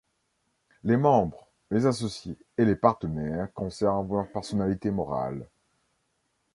Les membres, les associés et les partenaires conservent leur personnalité morale.